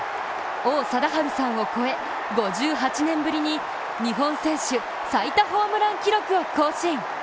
王貞治さんを超え、５８年ぶりに日本選手最多ホームラン記録を更新。